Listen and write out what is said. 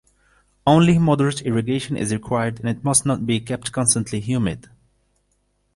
Only moderate irrigation is required and it must not be kept constantly humid.